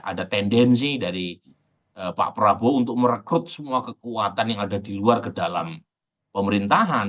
ada tendensi dari pak prabowo untuk merekrut semua kekuatan yang ada di luar ke dalam pemerintahan